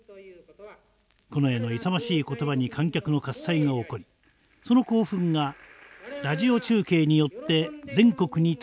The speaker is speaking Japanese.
近衛の勇ましい言葉に観客の喝采が起こりその興奮がラジオ中継によって全国に届けられました。